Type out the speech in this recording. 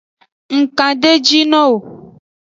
Ng kandejinowo.